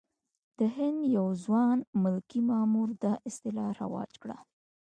د هند یو ځوان ملکي مامور دا اصطلاح رواج کړه.